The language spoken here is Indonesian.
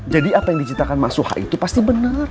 jadi apa yang diceritakan mas suha itu pasti bener